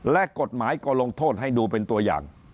และกฎหมายก็ลงโทษให้ดูเป็นตัวอย่าง